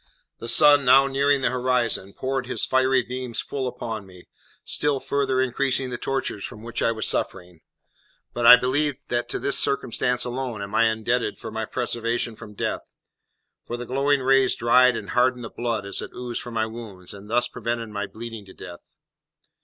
The sun, now nearing the horizon, poured his fiery beams full upon me, still further increasing the tortures from which I was suffering; but I believe that to this circumstance alone am I indebted for my preservation from death, for the glowing rays dried and hardened the blood as it oozed from my wounds, and thus prevented my bleeding to death.